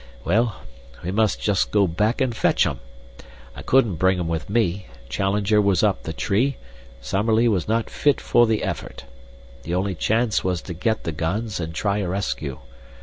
"Well, we must just go back and fetch 'em. I couldn't bring 'em with me. Challenger was up the tree, and Summerlee was not fit for the effort. The only chance was to get the guns and try a rescue.